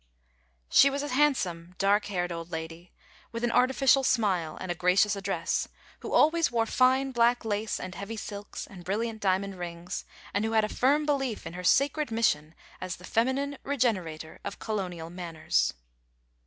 She was a handsome, dark haired old lady, with an artifi cial smile and gracious address, who always wore fine black lace and heavy silks and brilliant diamond rings, and who had a firm belief in her sacred mission as the feminine re generator of colonial manners.